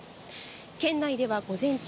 県内では午前中、